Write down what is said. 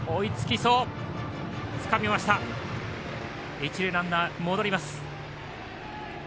一塁ランナー、戻ります。